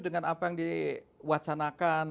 dengan apa yang diwacanakan